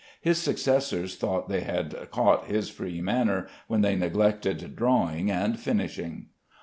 His successors thought they had caught his free manner when they neglected drawing and finishing."